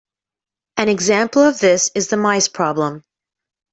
An example of this is the mice problem.